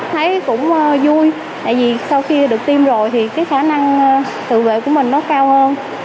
thấy cũng vui tại vì sau khi được tiêm rồi thì cái khả năng tự vệ của mình nó cao hơn